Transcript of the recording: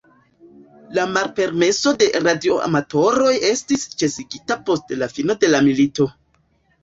La malpermeso de radioamatoroj estis ĉesigita post la fino de la milito.